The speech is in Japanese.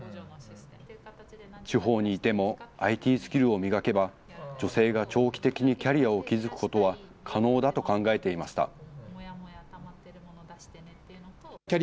地方にいてもＩＴスキルを磨けば、女性が長期的にキャリアを築くことは可能だと考えていました。